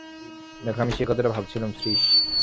দেখো, আমি সেই কথাটা ভাবছিলুম– শ্রীশ।